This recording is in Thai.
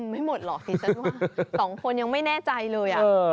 ไม่หมดหรอกดิฉันว่าสองคนยังไม่แน่ใจเลย